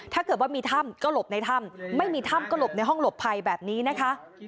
ถ้าเกิดว่ามีถ้ำก็หลบในถ้ำไม่มีถ้ำก็หลบในห้องหลบภัยแบบนี้นะคะ